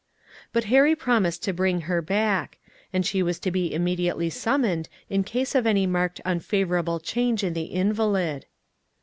But Harry promised to bring her back; and she was to be immediately summoned, in case of any marked unfavorable change in the invalid.